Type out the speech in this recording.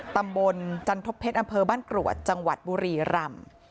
ตำบลจันทบเพชรอำเภอบ้านกรวดจังหวัดบุรีรำ